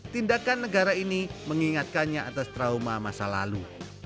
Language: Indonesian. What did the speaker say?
tindakan negara ini mengingatkannya atas trauma masa lalu